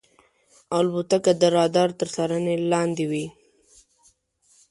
الوتکه د رادار تر څارنې لاندې وي.